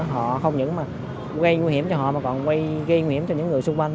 họ không những mà gây nguy hiểm cho họ mà còn gây nguy hiểm cho những người xung quanh